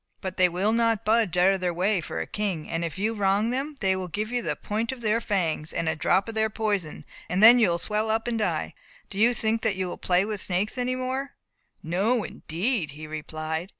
But they will not budge out of their way for a king; and if you wrong them, they will give you the point of their fangs, and a drop of their poison, and then you will swell up and die. Do you think that you will play with snakes any more!" "No, indeed," he replied.